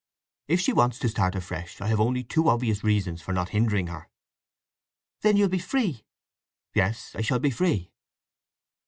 If she wants to start afresh I have only too obvious reasons for not hindering her." "Then you'll be free?" "Yes, I shall be free."